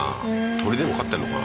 鶏でも飼ってんのかな？